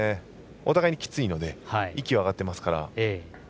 お互いにきついので息は上がってますから。